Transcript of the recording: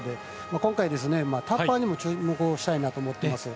今回は、タッパーにも注目をしたいと思います。